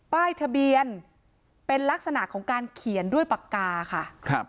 ป้ายทะเบียนเป็นลักษณะของการเขียนด้วยปากกาค่ะครับ